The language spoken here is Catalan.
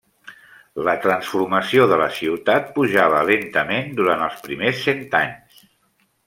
La transformació de la ciutat pujava lentament durant els primers cent anys.